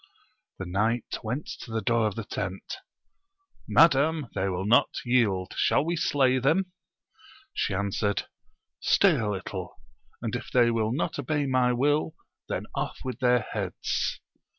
The knight went to the door of the tent — Madam, they will not yield : shall we slay them ? She answered, Stay a little, and if they will not obey my will, then ofif with their heads.